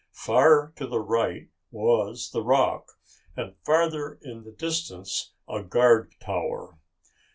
Far to the right was the Rock and, farther in the distance, a guard tower.